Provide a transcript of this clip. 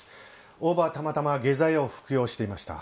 大庭はたまたま下剤を服用していました。